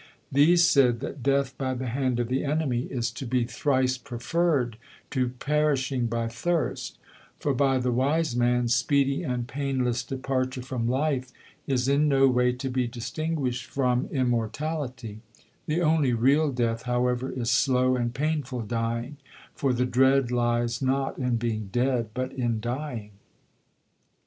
These said that death by the hand of the enemy is to be thrice preferred to perishing by thirst; for by the wise man, speedy and painless departure from life is in no way to be distinguished from immortality; the only real death, however, is slow and painful dying, for the dread lies not in being dead, but in dying.